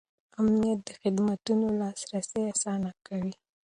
امنیت د خدمتونو لاسرسی اسانه کوي.